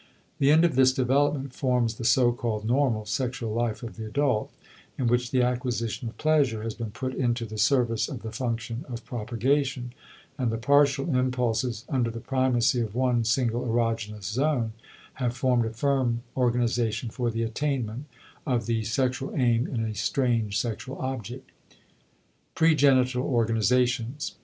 The end of this development forms the so called normal sexual life of the adult in which the acquisition of pleasure has been put into the service of the function of propagation, and the partial impulses, under the primacy of one single erogenous zone, have formed a firm organization for the attainment of the sexual aim in a strange sexual object. *Pregenital Organizations.